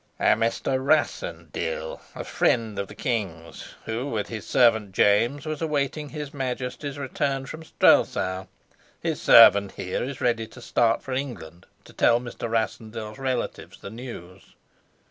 "A Mr. Rassendyll, a friend of the king's, who with his servant James was awaiting his Majesty's return from Strelsau. His servant here is ready to start for England, to tell Mr. Rassendyll's relatives the news."